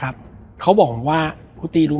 แล้วสักครั้งหนึ่งเขารู้สึกอึดอัดที่หน้าอก